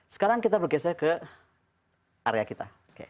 sekarang kita bergeser ke area kita